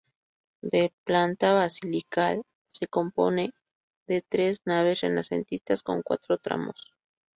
De planta basilical, se compone de tres naves renacentistas con cuatro tramos.